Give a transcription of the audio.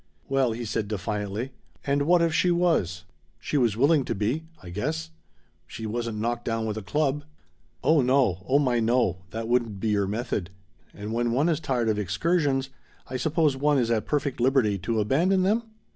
"Well," he said defiantly, "and what if she was? She was willing to be, I guess. She wasn't knocked down with a club." "Oh, no! Oh, my no! That wouldn't be your method. And when one is tired of exursions I suppose one is at perfect liberty to abandon them